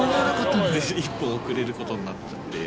１本遅れることになって。